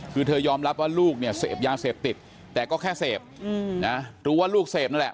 คือเธอยอมรับว่าลูกเนี่ยเสพยาเสพติดแต่ก็แค่เสพนะรู้ว่าลูกเสพนั่นแหละ